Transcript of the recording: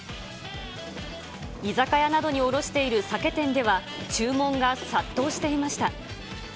居酒屋などに卸している酒店では、注文が殺到していました。